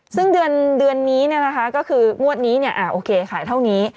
ซึ่งเดือนนี้ก็คืองวดนี้โอเคขายเท่านี้